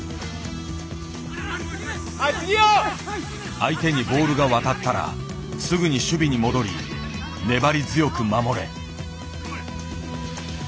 相手にボールが渡ったらすぐに守備に戻り粘り強く守れ。